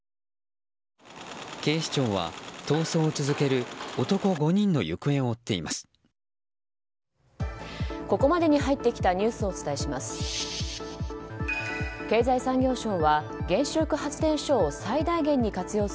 警視庁は逃走を続ける男５人の行方を追っています。